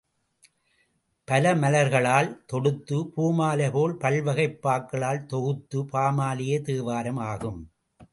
பல மலர்களால் தொடுத்த பூமாலைபோல், பல்வகைப் பாக்களால் தொகுத்த பாமாலையே தேவாரம் ஆகும்.